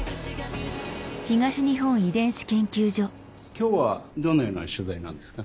今日はどのような取材なんですか？